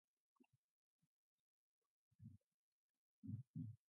Scott was born to Linda and Will Padgett.